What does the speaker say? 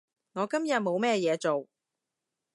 我今日冇咩嘢做